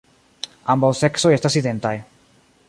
Ambaŭ seksoj estas identaj.